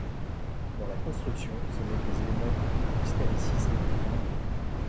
Dans la construction se mêlent des éléments de l'historicisme et de l'art nouveau.